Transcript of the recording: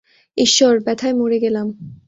ঈশ্বর, ব্যাথায় মরে গেলাম!